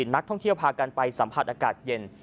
นักท่องเที่ยวพากันไปสัมผัสอากาศเย็น